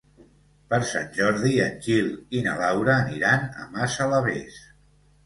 Per Sant Jordi en Gil i na Laura aniran a Massalavés.